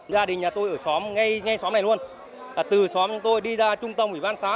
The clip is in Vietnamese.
gia đình nhà tôi ở xóm ngay xóm này luôn từ xóm tôi đi ra trung tâm ở văn xá